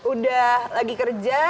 udah lagi kerja